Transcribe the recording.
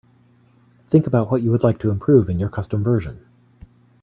Think about what you would like to improve in your custom version.